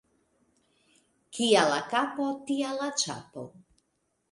Kia la kapo, tia la ĉapo.